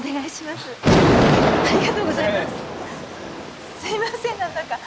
すみません何だか。